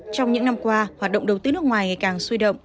trong những năm qua hoạt động đầu tư nước ngoài ngày càng suy động